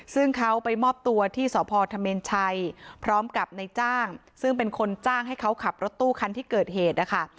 ซึ่งเขาไปมอบตัวที่สพธเมนชัยพร้อมกับในจ้างซึ่งเป็นคนจ้างให้เขาขับรถตู้คันที่เกิดเหตุนะคะ